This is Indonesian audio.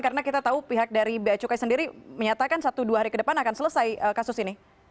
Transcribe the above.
karena kita tahu pihak dari backi sendiri menyatakan satu dua hari ke depan akan selesai kasus ini